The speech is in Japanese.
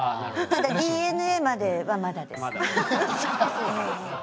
ただＤＮＡまではまだです。